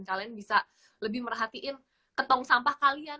kalian bisa lebih merhatiin ketong sampah kalian